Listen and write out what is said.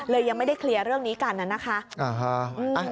ยังไม่ได้เคลียร์เรื่องนี้กันนะคะ